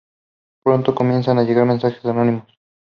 Pronto comienzan a llegar mensajes anónimos.